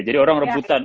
jadi orang rebutan